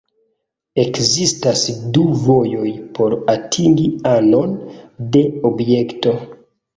Ekzistas du vojoj por atingi anon de objekto.